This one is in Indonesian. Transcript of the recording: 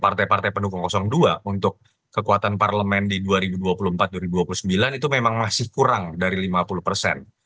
partai partai pendukung dua untuk kekuatan parlemen di dua ribu dua puluh empat dua ribu dua puluh sembilan itu memang masih kurang dari lima puluh persen